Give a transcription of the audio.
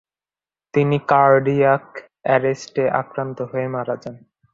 তিনি কার্ডিয়াক অ্যারেস্টে আক্রান্ত হয়ে মারা যান।